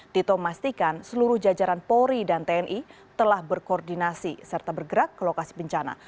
tito memastikan seluruh jajaran polri dan tni telah berkoordinasi serta bergerak ke lokasi bencana